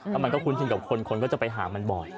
แล้วมันก็คุ้นชินกับคนคนก็จะไปหามันบ่อย